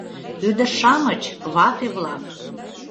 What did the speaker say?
Ӱдыр-шамыч, вате-влак